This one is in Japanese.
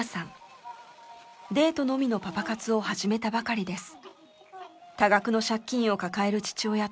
デートのみのパパ活を始めたばかりです。